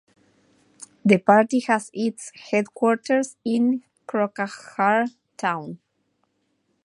The party has its headquarters in Kokrajhar Town.